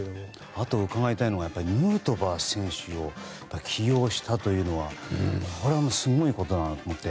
あと伺いたいのはヌートバー選手を起用したのはすごいことだなと思って。